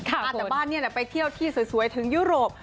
อาจจะบ้านเนี่ยไปเที่ยวที่สวยถึงยุโรป